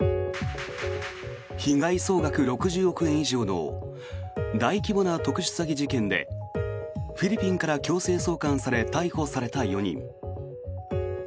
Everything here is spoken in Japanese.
被害総額６０億円以上の大規模な特殊詐欺事件でフィリピンから強制送還され逮捕された４人。